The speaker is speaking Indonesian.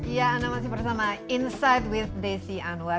ya anda masih bersama insight with desi anwar